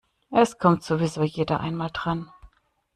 Es kommt sowieso jeder einmal dran.